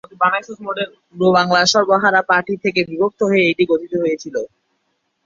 পূর্ব বাংলার সর্বহারা পার্টি থেকে বিভক্ত হয়ে এটি গঠিত হয়েছিল।